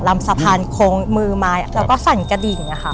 ลำสะพานโค้งมือไม้แล้วก็สั่นกระดิ่งอะค่ะ